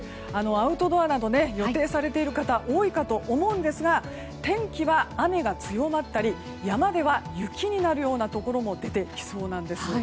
アウトドアなど予定されている方多いかと思うんですが天気は雨が強まったり山では雪になるところも出てきそうなんです。